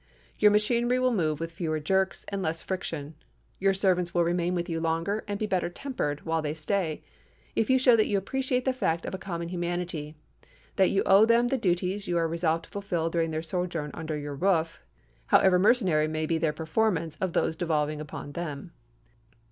Your machinery will move with fewer jerks and less friction. Your servants will remain with you longer, and be better tempered while they stay, if you show that you appreciate the fact of a common humanity; that you owe them duties you are resolved to fulfil during their sojourn under your roof, however mercenary may be their performance of those devolving upon them.